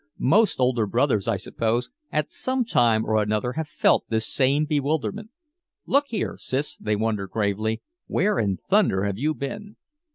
Most older brothers, I suppose, at some time or another have felt this same bewilderment. "Look here, Sis," they wonder gravely, "where in thunder have you been?"